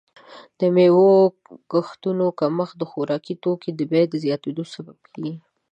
د میوو د کښتونو کمښت د خوراکي توکو د بیې زیاتیدل سبب کیږي.